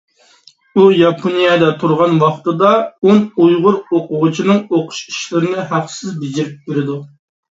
ئۇ ياپونىيەدە تۇرغان ۋاقتىدا ئون ئۇيغۇر ئوقۇغۇچىنىڭ ئوقۇش ئىشلىرىنى ھەقسىز بېجىرىپ بېرىدۇ.